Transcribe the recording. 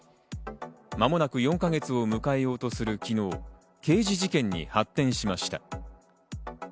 間もなく４か月を迎えようとする昨日、刑事事件に発展しました。